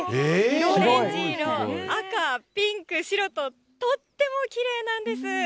オレンジ色、赤、ピンク、白と、とってもきれいなんです。